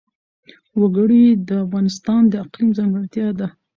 وګړي د افغانستان د اقلیم ځانګړتیا ده.